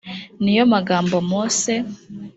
ni yo magambo mose